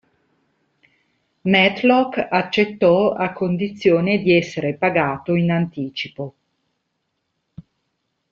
Matlock accettò a condizione di essere pagato in anticipo.